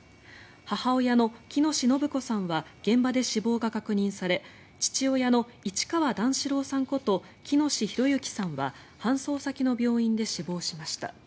母親の喜熨斗延子さんは現場で死亡が確認され父親の市川段四郎さんこと喜熨斗弘之さんは搬送先の病院で死亡しました。